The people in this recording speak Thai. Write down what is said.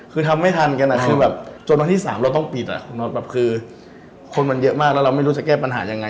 คือทำไม่ทันจนวันที่สามเราต้องปิดคนมันเยอะมากแล้วเราไม่รู้จะแก้ปัญหายังไง